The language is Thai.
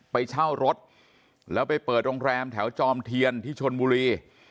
ไปเช่ารถแล้วไปเปิดโรงแรมแถวจอมเทียนที่ชนบุรี